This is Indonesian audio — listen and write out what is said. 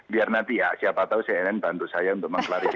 biar nanti ya siapa tahu cnn bantu saya untuk mengklarifikasi